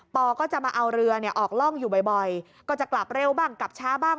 ก็จะมาเอาเรือออกร่องอยู่บ่อยก็จะกลับเร็วบ้างกลับช้าบ้าง